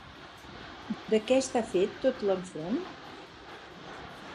De què està fet tot l'enfront?